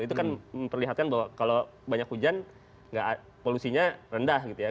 itu kan memperlihatkan bahwa kalau banyak hujan polusinya rendah gitu ya